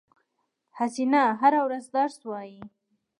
حسینه هره ورځ درس وایی